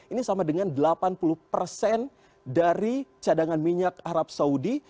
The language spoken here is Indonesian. ini sama dengan delapan puluh persen dari cadangan minyak arab saudi